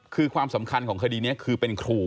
คือความสำคัญของคดีนี้คือเป็นครู